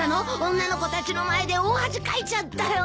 女の子たちの前で大恥かいちゃったよ。